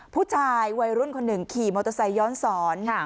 ผู้ชายวัยรุ่นคนหนึ่งขี่มอเตอร์ไซค์ย้อนสอน